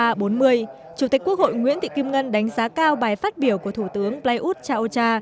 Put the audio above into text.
hôm nay chủ tịch quốc hội nguyễn thị kim ngân đánh giá cao bài phát biểu của thủ tướng prayuth chan o cha